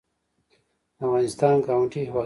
د افغانستان ګاونډي هېوادونه